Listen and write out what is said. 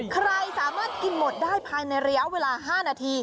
ใครสามารถกินหมดได้ภายในระยะเวลา๕นาที